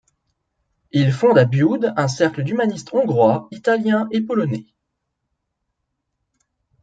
Il fonde à Bude un cercle d'humanistes hongrois, italiens et polonais.